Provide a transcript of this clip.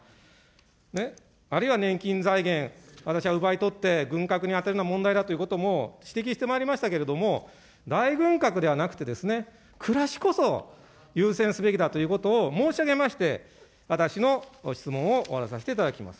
ね、あるいは年金財源、私は奪い取って、軍拡に充てることも問題だということも指摘してまいりましたけれども、大軍拡ではなくて、暮らしこそ優先すべきだということを申し上げまして、私の質問を終わらさせていただきます。